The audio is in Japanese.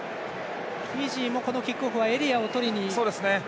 フィジーもこのキックオフはエリアを取りに。